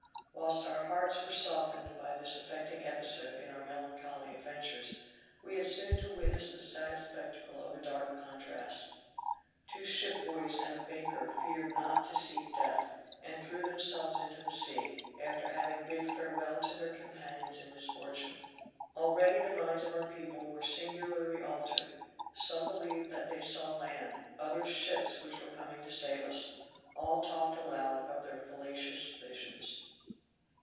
Whilst our hearts were softened by this affecting episode in our melancholy adventures, we had soon to witness the sad spectacle of a dark contrast. Two ship boys and a baker feared not to seek death, and threw themselves into the sea, after having bid farewell to their companions in misfortune. Already the minds of our people were singularly altered; some believed that they saw land, others ships which were coming to save us; all talked aloud of their fallacious visions.